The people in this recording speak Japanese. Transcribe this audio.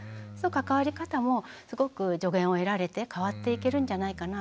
関わり方もすごく助言を得られて変わっていけるんじゃないかな。